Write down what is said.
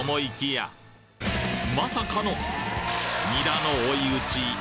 まさかのニラの追い討ち！